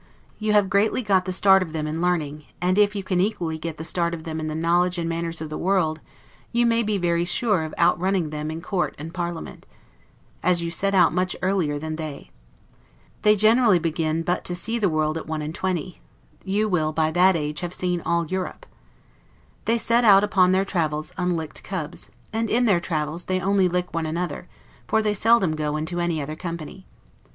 You have greatly got the start of them in learning; and if you can equally get the start of them in the knowledge and manners of the world, you may be very sure of outrunning them in court and parliament, as you set out much earlier than they. They generally begin but to see the world at one and twenty; you will by that age have seen all Europe. They set out upon their travels unlicked cubs: and in their travels they only lick one another, for they seldom go into any other company.